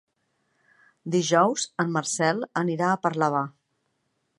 Dijous en Marcel anirà a Parlavà.